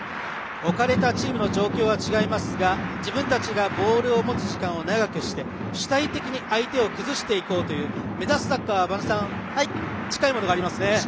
置かれたチームの状況は違いますが自分たちがボールを持つ時間を長くして主体的に相手を崩していこうという目指すサッカーは播戸さん、近いものがありますね。